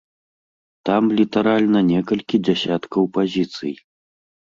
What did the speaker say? Там літаральна некалькі дзясяткаў пазіцый.